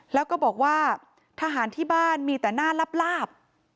แล้วก็บอกว่าทหารที่บ้านมีแต่หน้าลาบ